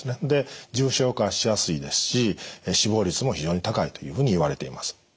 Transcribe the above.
で重症化しやすいですし死亡率も非常に高いというふうにいわれています。